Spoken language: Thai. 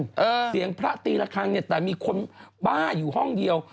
ช่างเลี้ยงพระธีรคางเนี่ยแต่มีคนบ้าอยู่้องเดียว